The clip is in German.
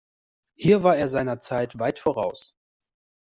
Hier war er seiner Zeit weit voraus.